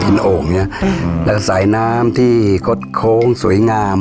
ทีนโต่งอย่างเงี้ยแล้วสายน้ำที่ขดโค้งสวยงาม